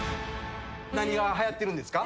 何がはやってるんですか？